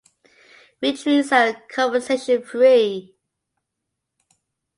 Retreats are conversation free.